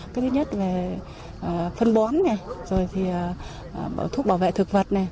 cái thứ nhất là phân bón thuốc bảo vệ thực vật